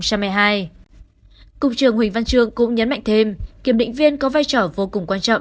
cục trưởng huỳnh văn trương cũng nhấn mạnh thêm kiểm định viên có vai trò vô cùng quan trọng